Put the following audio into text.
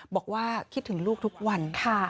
บอกว่าคิดถึงลูกทุกวัน